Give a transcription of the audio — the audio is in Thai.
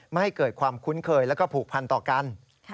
ไม่ให้เกิดความคุ้นเคยแล้วก็ผูกพันต่อกัน